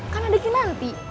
kan ada kinanti